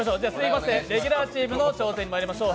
レギュラーチームの挑戦にまいりましょう。